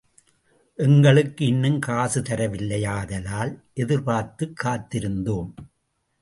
எங்களுக்கு இன்னும் காசு தரவில்லை யாதலால் எதிர்பார்த்துக் காத்திருந்தோம்.